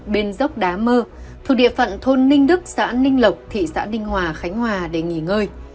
bên dốc đá mơ thuộc địa phận thôn ninh đức xã ninh lộc thị xã ninh hòa khánh hòa để nghỉ ngơi